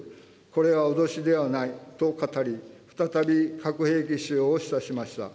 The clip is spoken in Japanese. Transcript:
これは脅しではないと語り、再び核兵器使用を示唆しました。